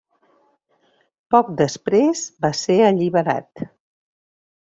Poc després va ser alliberat.